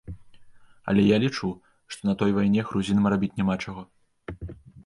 Але я лічу, што на той вайне грузінам рабіць няма чаго.